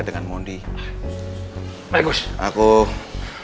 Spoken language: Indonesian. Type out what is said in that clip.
aku mungkin mungkin kayak gosnya aku menunggu